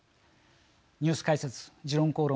「ニュース解説時論公論」